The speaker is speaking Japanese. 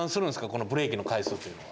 このブレーキの回数というのは。